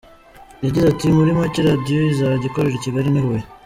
Yagize ati “Muri make, radiyo izajya ikorera i Kigali n’i Huye”.